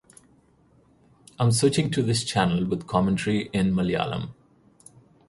I’m switching to this channel with commentary in Malayalam.